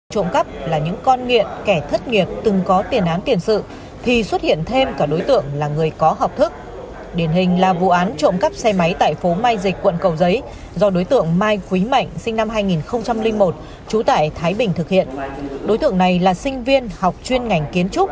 cơ quan cảnh sát điều tra cho biết bên cạnh các đối tượng trộm cắp là những con nghiện kẻ thất nghiệt từng có tiền án tiền sự